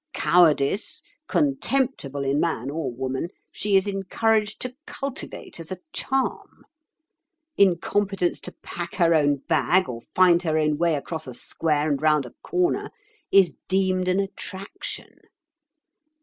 Cowardice, contemptible in man or woman, she is encouraged to cultivate as a charm. Incompetence to pack her own bag or find her own way across a square and round a corner is deemed an attraction.